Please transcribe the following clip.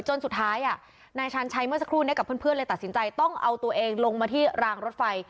จนสุดท้ายนายชาญชัยเมื่อสักครู่นี้กับเพื่อนเลยตัดสินใจต้องเอาตัวเองลงมาที่รางรถไฟ